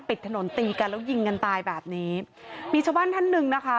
ปิดถนนตีกันแล้วยิงกันตายแบบนี้มีชาวบ้านท่านหนึ่งนะคะ